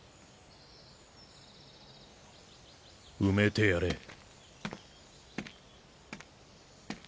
埋めてやれ。